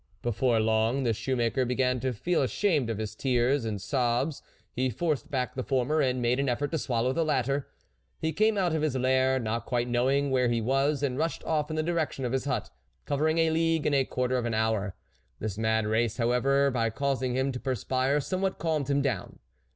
Before long the shoemaker began to feel ashamed of his tears and sobs ; he forced back the former, and made an effort to swallow the latter. He came out of his lair, not quite knowing where he was, and rushed off in the direction of his hut, covering a league in a quarter of an hour ; this mad race, however, by causing him to perspire, somewhat calmed him down.